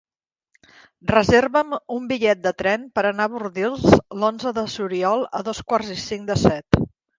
Reserva'm un bitllet de tren per anar a Bordils l'onze de juliol a dos quarts i cinc de set.